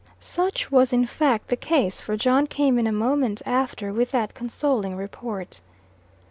Such was in fact the case, for John came in a moment after with that consoling report.